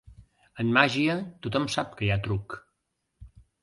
En màgia tothom sap que hi ha truc.